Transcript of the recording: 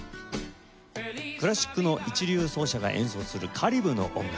クラシックの一流奏者が演奏するカリブの音楽。